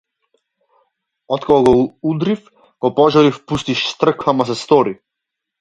Откога го удрив, го пожалив пусти штрк, ама се стори.